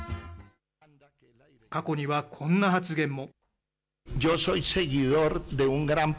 過去にはこんな発言も。